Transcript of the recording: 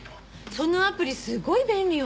そのアプリすごい便利よね。